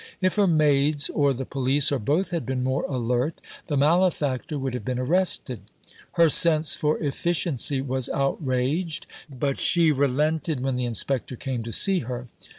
If her maids or the police or both had been more alert, the malefactor would have been arrested. Her sense for efficiency was outraged, but she relented when the Inspector came to see her.